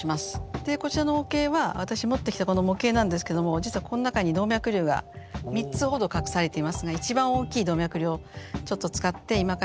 でこちらの模型は私持ってきたこの模型なんですけども実はこの中に動脈瘤が３つほど隠されていますが一番大きい動脈瘤をちょっと使って今から。